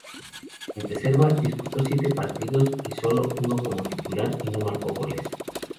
En Reserva, disputó siete partidos, sólo uno como titular y no marcó goles.